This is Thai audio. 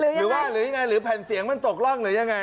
หรือยังไงหรือแผ่นเสียงมันตกร่องหรือยังไง